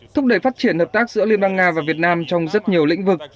thúc đẩy phát triển hợp tác giữa liên bang nga và việt nam trong rất nhiều lĩnh vực